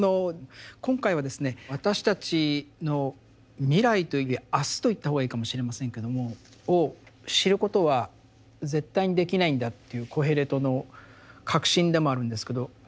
今回はですね私たちの未来というよりは「明日」と言った方がいいかもしれませんけどもを知ることは絶対にできないんだっていうコヘレトの確信でもあるんですけど。